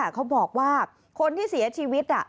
เขาบอกว่าคนที่เสียชีวิต